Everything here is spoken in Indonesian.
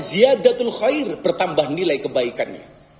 ziyadatul khair bertambah nilai kebaikannya